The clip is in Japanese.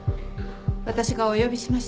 私がお呼びしました。